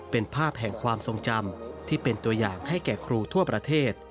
เป็นภาพแห่งความทรงจำที่เป็นตัวอย่างให้แก่ครูทั่วประเทศ